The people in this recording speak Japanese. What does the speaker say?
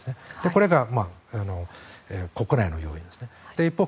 これが国内の要因ですね。